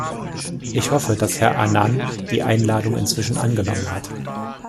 Ich hoffe, dass Herr Annan die Einladung inzwischen angenommen hat.